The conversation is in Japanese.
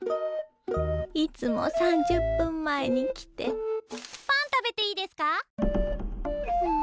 いつも３０分前に来てパン食べていいですか？